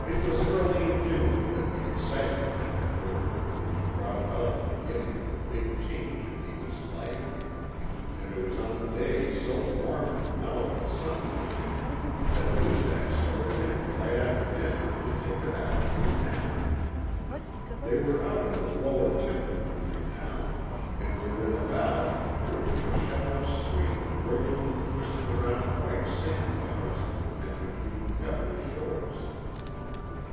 It was early in June that the exciting event occurred which brought about the beginning of the big change in Neewa's life, and it was on a day so warm and mellow with sunshine that Noozak started in right after dinner to take her afternoon nap. They were out of the lower timber country now, and were in a valley through which a shallow stream wriggled and twisted around white sand bars and between pebbly shores.